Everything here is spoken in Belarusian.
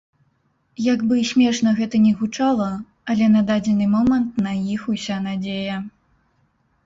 Як бы смешна гэта не гучала, але на дадзены момант на іх уся надзея.